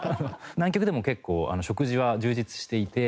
南極でも結構食事は充実していて。